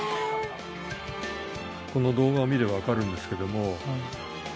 この動画を見れば分かるんですけども